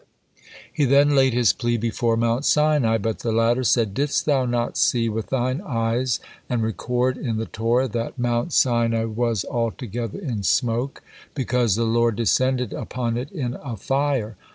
'" He then laid his plea before Mount Sinai, but the latter said: "Didst thou not see with thine eyes and record in the Torah that, 'Mount Sinai was altogether in smoke, because the Lord descended upon it in a fire?'